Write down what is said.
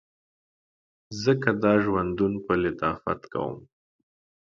ځکه دا ژوندون په لطافت کوم